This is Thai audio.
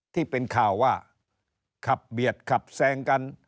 ที่เป็นข่าวว่าขับเบียดขับแซงกัน